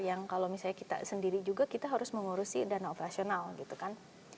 yang kalau misalnya kita sendiri juga kita harus mengurusi dana operasional gitu kan